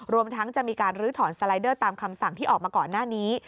รวมทั้งจะมีการลื้อถอนสไลเดอร์ตามคำสั่งที่ออกมาก่อนหน้านี้